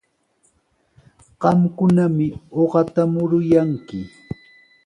Qamkunami uqata muruyanki.